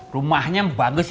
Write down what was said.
rumahnya bagus ya bang mirin